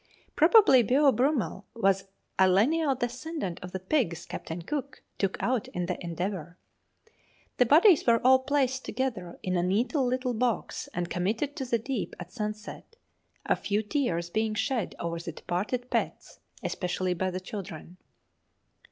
Probably 'Beau Brummel' was a lineal descendant of the pigs Captain Cook took out in the 'Endeavour.' The bodies were all placed together in a neat little box and committed to the deep at sunset, a few tears being shed over the departed pets, especially by the children.